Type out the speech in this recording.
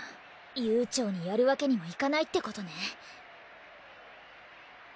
悠長にやるわけにもいかないって事ね。